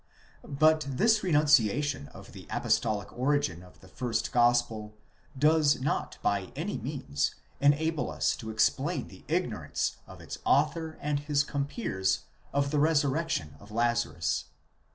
54 But this renunciation of the apostolic origin of the first gospel, does not by any means enable us to explain the ignorance of its author and his compeers of the resurrection of Lazarus.